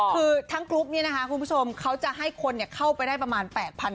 คือทั้งกรุ๊ปนี้นะคะคุณผู้ชมเขาจะให้คนเข้าไปได้ประมาณ๘๐๐